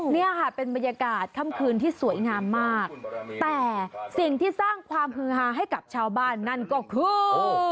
นี่ค่ะเป็นบรรยากาศค่ำคืนที่สวยงามมากแต่สิ่งที่สร้างความฮือฮาให้กับชาวบ้านนั่นก็คือ